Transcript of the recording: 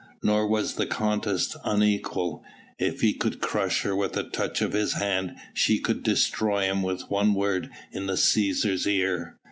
Nor was the contest unequal. If he could crush her with a touch of his hand, she could destroy him with one word in the Cæsar's ear.